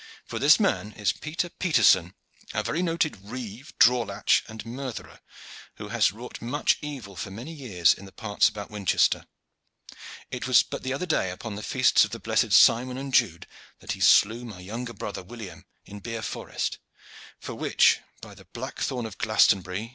"For this man is Peter Peterson, a very noted rieve, draw latch, and murtherer, who has wrought much evil for many years in the parts about Winchester. It was but the other day, upon the feasts of the blessed Simon and Jude, that he slew my younger brother William in Bere Forest for which, by the black thorn of Glastonbury!